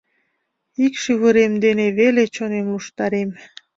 Ик шӱвырем дене веле чонем луштарем.